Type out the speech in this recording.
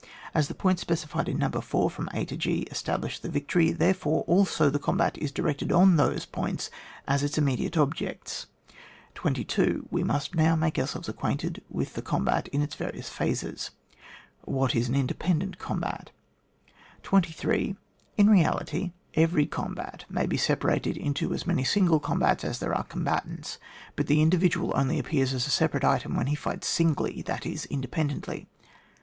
As the points specified in No. 4 from a to ^ establish the victory, there fore also the combat is directed on those points as its immediate objects. 22. We must now make ourselves ac quainted with the combat in its different phases. What is an independent combat f 23. In reality, every combat mftj ^* GUIDE TO TACTICS, OR TEE THEORY OF TEE COMBAT 129 separated into as many single combats as there are combatants. But the indi vidual only appears as a separate item when he fights singly, that is, indepen dently.